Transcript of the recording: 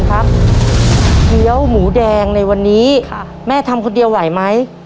เคี้ยวหมูแดงในวันนี้แม่ทำคนเดียวไหวไหม